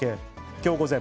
きょう午前、